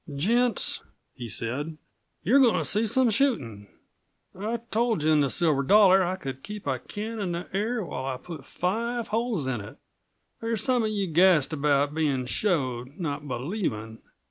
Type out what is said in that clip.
"Gents," he said, "you're goin' to see some shootin'! I told you in the Silver Dollar that I could keep a can in the air while I put five holes in it. There's some of you gassed about bein' showed, not believin'.